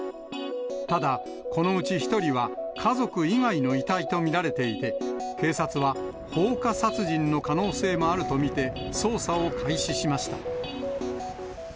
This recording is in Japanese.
ただ、このうち１人は家族以外の遺体と見られていて、警察は放火殺人の可能性もあると見て、捜査を開始しました。